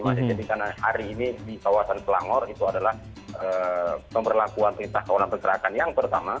jadi karena hari ini di kawasan selangor itu adalah pemberlakuan perintah kawalan pencerahan yang pertama